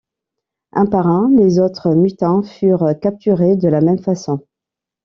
Un par un, les autres mutins furent capturés de la même façon.